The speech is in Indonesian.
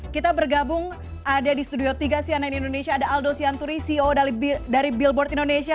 kita bergabung ada di studio tiga cnn indonesia ada aldo sianturi ceo dari billboard indonesia